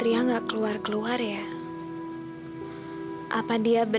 dia kenal veti dia bahkan dia kadang